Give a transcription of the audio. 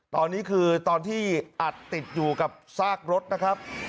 ตอนนี้คือตอนที่อัดติดอยู่กับซากรถนะครับ